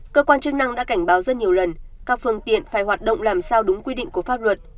cơ quan chức năng đã cảnh báo rất nhiều lần các phương tiện phải hoạt động làm sao đúng quy định của pháp luật